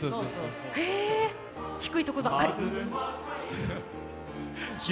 低いところばっかり。